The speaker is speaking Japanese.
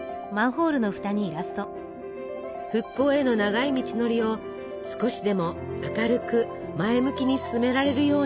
復興への長い道のりを少しでも明るく前向きに進められるように。